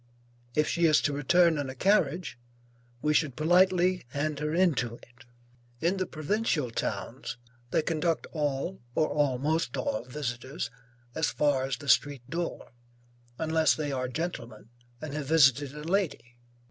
If she is to return in a carriage, we should politely hand her into it. In the provincial towns, they conduct all or almost all visitors, as far as the street door, unless they are gentlemen and have visited a lady.